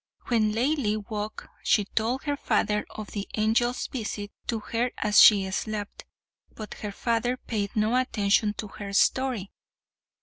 When Laili woke she told her father of the angel's visit to her as she slept; but her father paid no attention to her story.